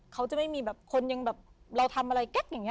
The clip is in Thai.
เขาจะไม่มีแบบคนยังแบบเราทำอะไรแก๊กอย่างนี้